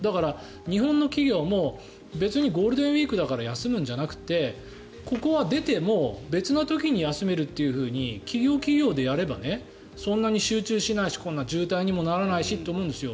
日本の企業は別にゴールデンウィークだから休むんじゃなくてここは出て、別の時に休めるというふうに企業企業でやればそんなに集中しないしこんな渋滞にもならないしと思うんですよ。